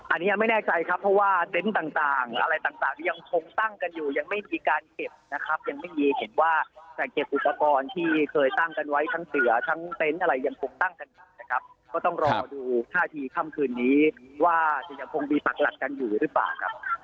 อันนี้ไม่แน่ใจครับเพราะว่าเต็นต์ต่างอะไรต่างที่ยังคงตั้งกันอยู่ยังไม่มีการเก็บนะครับยังไม่มีเห็นว่าแต่เก็บอุปกรณ์ที่เคยตั้งกันไว้ทั้งเสือทั้งเต็นต์อะไรยังคงตั้งกันอยู่นะครับก็ต้องรอดูท่าทีค่ำคืนนี้ว่าจะยังคงมีปักหลักกันอยู่หรือเปล่าครับ